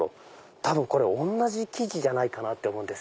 多分同じ生地じゃないかなって思うんです。